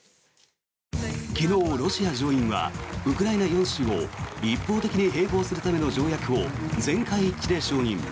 昨日、ロシア上院はウクライナ４州を一方的に併合するための条約を全会一致で承認。